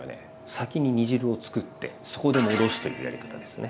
先に煮汁をつくってそこで戻すというやり方ですね。